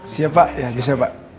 siap pak ya bisa pak